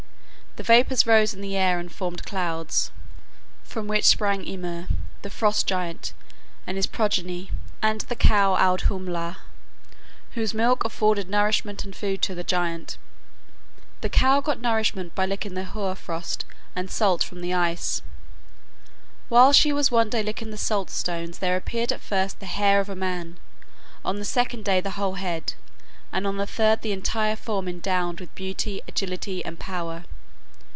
The vapors rose in the air and formed clouds, from which sprang Ymir, the Frost giant and his progeny, and the cow Audhumbla, whose milk afforded nourishment and food to the giant. The cow got nourishment by licking the hoar frost and salt from the ice. While she was one day licking the salt stones there appeared at first the hair of a man, on the second day the whole head, and on the third the entire form endowed with beauty, agility, and power.